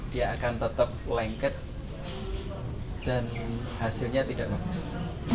dia akan tetap lengket dan hasilnya tidak bagus